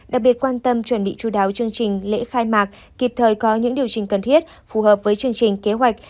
đặc biệt quan tâm chuẩn bị chú đáo chương trình lễ khai mạc kịp thời có những điều chỉnh cần thiết phù hợp với chương trình kế hoạch